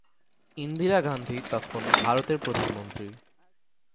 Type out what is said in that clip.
ইন্দিরা গান্ধি তখন ভারতের প্রধানমন্ত্রী।